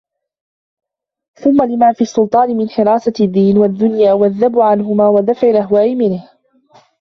ثُمَّ لِمَا فِي السُّلْطَانِ مِنْ حِرَاسَةِ الدِّينِ وَالدُّنْيَا وَالذَّبِّ عَنْهُمَا وَدَفْعِ الْأَهْوَاءِ مِنْهُ